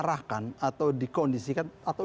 akan atau dikondisikan atau